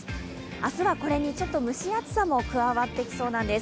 明日はこれにちょっと蒸し暑さも加わってきそうなんです。